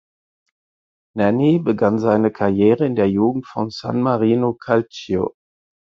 Nanni begann seine Karriere in der Jugend von San Marino Calcio.